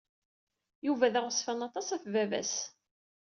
Yuba d aɣezfan aṭas ɣef baba-s.